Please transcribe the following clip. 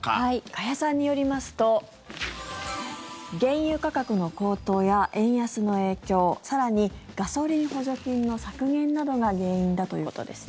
加谷さんによりますと原油価格の高騰や円安の影響更にガソリン補助金の削減などが原因だということです。